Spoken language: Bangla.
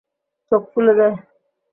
চোখ ফুলে যায়।